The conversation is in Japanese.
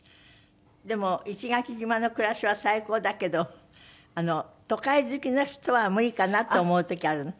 でも石垣島の暮らしは最高だけど都会好きの人は無理かなと思う時あるの？